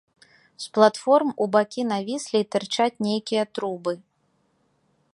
З платформ у бакі навіслі і тырчаць нейкія трубы.